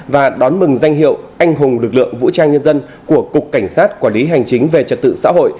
và đón mừng danh hiệu anh hùng lực lượng vũ trang nhân dân của cục cảnh sát quản lý hành chính về trật tự xã hội